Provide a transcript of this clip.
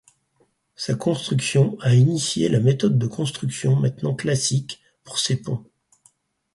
Sa construction a initié la méthode de construction maintenant classique pour ces ponts.